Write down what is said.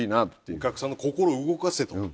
お客さんの心を動かせと。